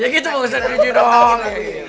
ya gitu bagusnya niji dong